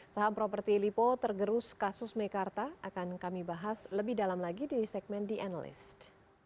saham properti lipo tergerus kasus mekarta akan kami bahas lebih dalam lagi di segmen the analyst